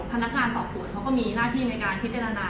พนักงานสอบสวนเขาก็มีหน้าที่ในการพิจารณา